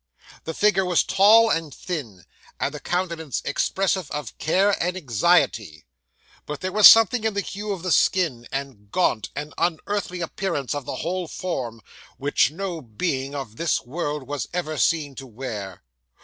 The figure was tall and thin, and the countenance expressive of care and anxiety; but there was something in the hue of the skin, and gaunt and unearthly appearance of the whole form, which no being of this world was ever seen to wear.